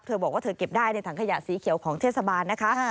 บอกว่าเธอเก็บได้ในถังขยะสีเขียวของเทศบาลนะคะ